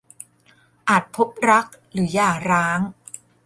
อาจพบรักหรือหย่าร้าง